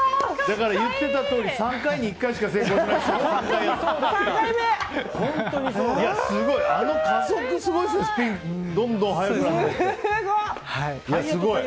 だから言っていたとおり３回に１回しか成功しない。